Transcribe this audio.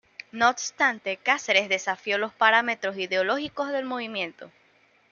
No obstante, Cáceres desafió los parámetros ideológicos del movimiento.